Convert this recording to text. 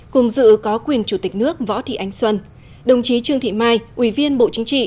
cùng dự có quyền chủ tịch nước võ thị ánh xuân đồng chí trương thị mai ủy viên bộ chính trị